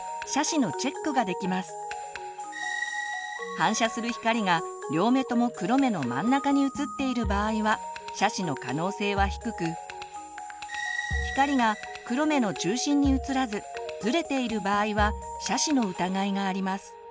反射する光が両目とも黒目の真ん中にうつっている場合は斜視の可能性は低く光が黒目の中心にうつらずずれている場合は斜視の疑いがあります。